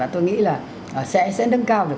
tôi nghĩ là sẽ nâng cao được